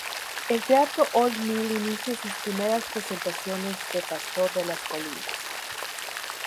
El Teatro Old Mill inicia sus primeras presentaciones de "Pastor de las colinas".